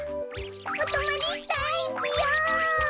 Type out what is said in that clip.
おとまりしたいぴよ！